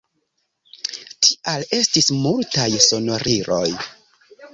Tial estis multaj sonoriloj.